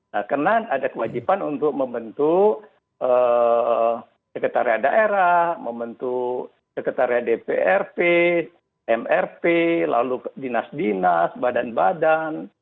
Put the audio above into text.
karena ada kewajiban untuk membentuk sekretariat daerah membentuk sekretariat dprp mrp lalu dinas dinas badan badan